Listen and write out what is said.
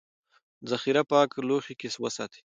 ذخیره پاک لوښي کې وساتئ.